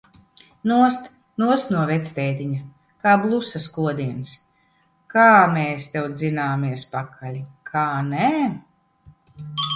Nost! Nost no vectētiņa! Kā blusas kodiens. Kā mēs tev dzināmies pakaļ! Kā nē?